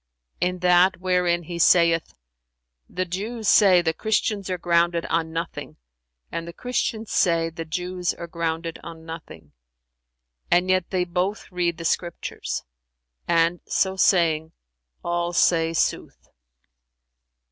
"In that wherein He saith, 'The Jews say, 'The Christians are grounded on nothing,' and the Christians say, 'The Jews are grounded on nothing'; and yet they both read the Scriptures;'[FN#359] and, so saying, all say sooth."